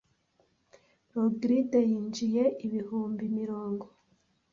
Rogride yinjije ibihumbi mirongo